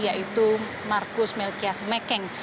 yaitu markus melchias mekeng